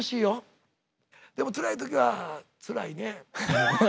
でもつらい時はつらいね。